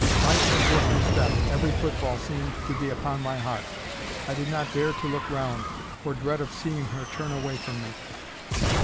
Light as was her step, every footfall seemed to be upon my heart. I did not dare to look round, for dread of seeing her turn away from me.